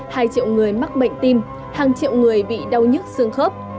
hai triệu người mắc bệnh tim hàng triệu người bị đau nhức xương khớp